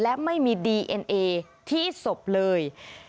และไม่มีดีเอ็นเอที่ศพเลย